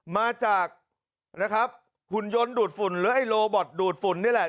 มาจากนะครับหุ่นยนต์ดูดฝุ่นหรือไอโลบอทดูดฝุ่นนี่แหละ